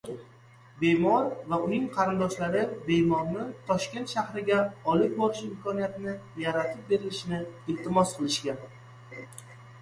Bemor va uning qarindoshlari bemorni Toshkent shahriga olib borish imkoniyatini yaratib berilishini iltimos qilishgan.